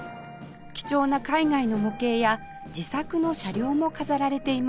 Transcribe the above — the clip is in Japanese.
貴重な海外の模型や自作の車両も飾られています